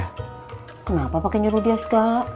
kenapa pake nyuruh dia ska